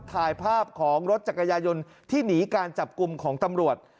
ถ่ายภาพของรถจักรยายนที่หนีการจับกลุ่มของตำรวจ